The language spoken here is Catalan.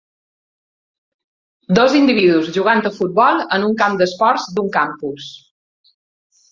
Dos individus jugant a futbol en un camp d'esports d'un campus.